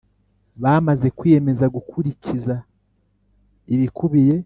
Bamaze kwiyemeza gukurikiza ibikubiye